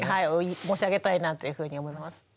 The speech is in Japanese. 申し上げたいなというふうに思います。